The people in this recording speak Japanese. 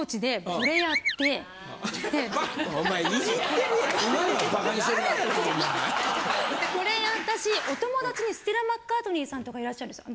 コレやったしお友達にステラ・マッカートニーさんとかいらっしゃるんですよ。